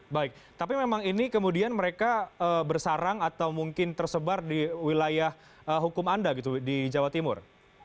baik tapi memang ini kemudian mereka bersarang atau mungkin tersebar di wilayah hukum anda gitu di jawa timur